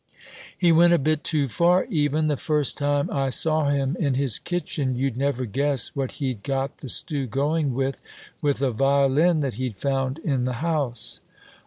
"He went a bit too far, even. The first time I saw him in his kitchen, you'd never guess what he'd got the stew going with! With a violin that he'd found in the house!"